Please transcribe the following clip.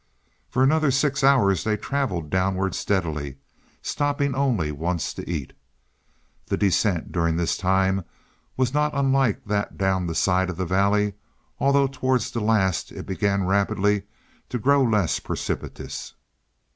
For another six hours they traveled downward steadily, stopping only once to eat. The descent during this time was not unlike that down the side of the valley, although towards the last it began rapidly to grow less precipitous.